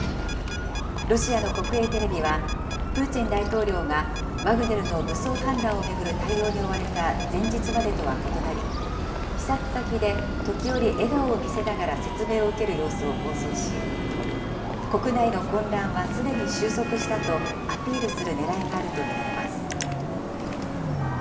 ロシアの国営テレビは、プーチン大統領がワグネルの武装反乱を巡る対応に追われた前日までとは異なり、視察先で時折笑顔を見せながら説明を受ける様子を放送し、国内の混乱はすでに収束したとアピールするねらいがあると見られます。